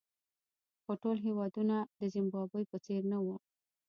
خو ټول هېوادونه د زیمبابوې په څېر نه وو.